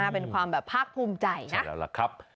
เป็นความแบบภาคภูมิใจนะแล้วล่ะครับ